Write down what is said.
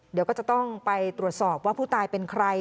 เดี๋ยวก็จะต้องไปตรวจสอบว่าผู้ตายเป็นใคร